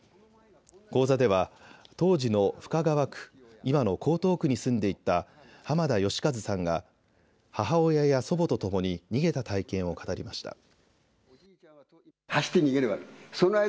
講座では、当時の深川区今の江東区に住んでいた濱田嘉一さんが母親や祖母と共に逃げた体験を語りました。